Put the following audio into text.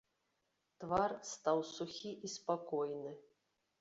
Твар стаў сухі і спакойны.